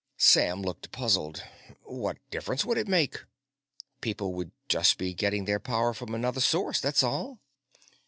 Sam looked puzzled. "What difference would it make? People would just be getting their power from another source, that's all."